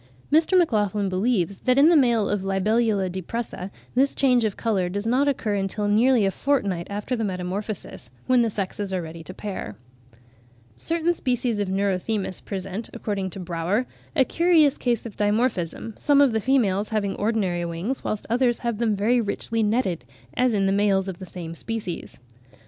Mr. MacLachlan believes that in the male of Libellula depressa this change of colour does not occur until nearly a fortnight after the metamorphosis, when the sexes are ready to pair. Certain species of Neurothemis present, according to Brauer (53. See abstract in the 'Zoological Record' for 1867, p. 450.), a curious case of dimorphism, some of the females having ordinary wings, whilst others have them "very richly netted, as in the males of the same species."